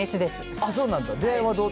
ああ、そうなんだ。